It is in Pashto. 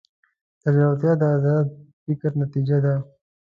زړورتیا د ازاد فکر نتیجه ده.